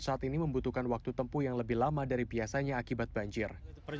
saat ini membutuhkan waktu tempuh yang lebih lama dari biasanya akibat banjir